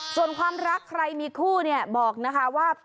ส่วนความรักใครมีคู่เนี่ยบอกนะคะว่า